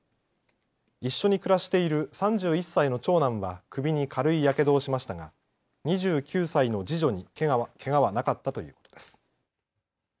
一緒に暮らしている３１歳の長男は首に軽いやけどをしましたが２９歳の次女にけがはなかったということです。